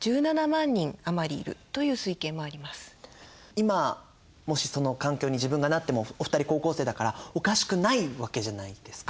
今もしその環境に自分がなってもお二人高校生だからおかしくないわけじゃないですか。